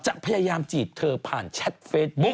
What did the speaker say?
พยายามจีบเธอผ่านแชทเฟซบุ๊ค